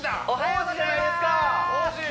おはようございます